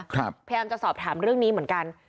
พยายามจะสอบถามเรื่องนี้เหมือนกัน